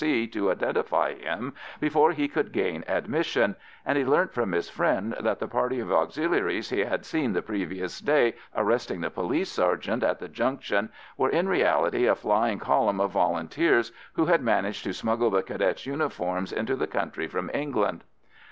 I.C. to identify him before he could gain admission, and he learnt from his friend that the party of Auxiliaries he had seen the previous day arresting the police sergeant at the junction were in reality a flying column of Volunteers, who had managed to smuggle the Cadets' uniforms into the country from England.